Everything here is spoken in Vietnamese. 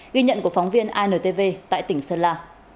ghi nhận của phóng viên intv tại tỉnh sơn la